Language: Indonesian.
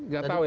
gak tau ya